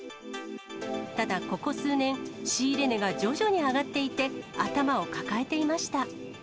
ただ、ここ数年、仕入れ値が徐々に上がっていて、頭を抱えていました。